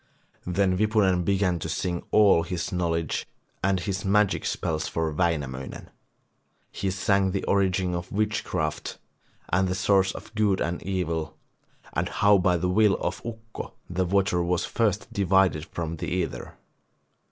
Then Wipunen began to sing all his knowledge and his magic spells for Wainamoinen. He sang the origin of witchcraft, the source of good and evil and how by the will of Ukko the water was first divided from the ether.